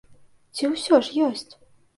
Ці ўсё ж ёсць?